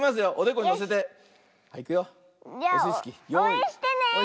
おうえんしてね！